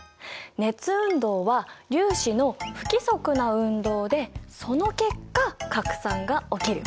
熱運動は粒子の不規則な運動でその結果拡散が起きる。